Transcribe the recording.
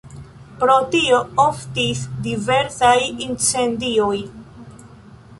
Pro tio oftis diversaj incendioj.